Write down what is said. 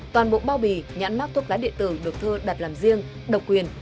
toàn bộ bao bì nhãn mát thuốc lá điện tử được thơ đặt làm riêng độc quyền